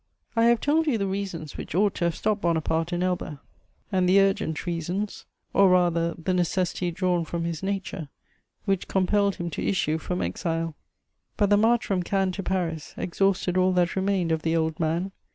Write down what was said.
I have told you the reasons which ought to have stopped Bonaparte in Elba and the urgent reasons, or rather the necessity drawn from his nature, which compelled him to issue from exile. But the march from Cannes to Paris exhausted all that remained of the old man.